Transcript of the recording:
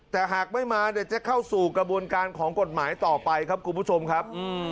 แต่หากไม่มาเนี่ยจะเข้าสู่กระบวนการของกฎหมายต่อไปครับคุณผู้ชมครับ